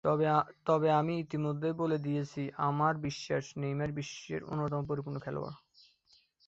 তবে আমি ইতিমধ্যেই বলে দিয়েছি, আমার বিশ্বাস, নেইমার বিশ্বের অন্যতম পরিপূর্ণ খেলোয়াড়।